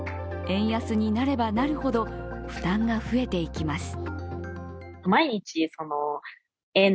円安になればなるほど負担が増えていきます。